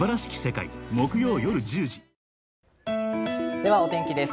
では、お天気です。